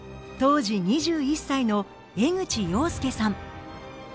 当時２１歳の江口洋介さん。